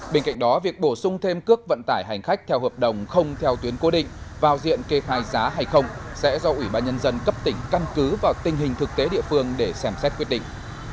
bên cạnh đó việc bổ sung thêm cước vận tải hành khách theo hợp đồng không theo tuyến cố định vào diện kê khai giá hay không sẽ do ủy ban nhân dân cấp tỉnh căn cứ vào tình hình thực tế địa phương để xem xét quyết định